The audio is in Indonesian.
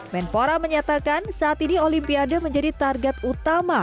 menpora menyatakan saat ini olimpiade menjadi target utama